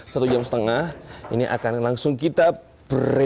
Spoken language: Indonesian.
satu jam setengah ini akan langsung kita beri